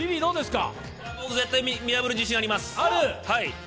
僕、絶対見破る自信あります。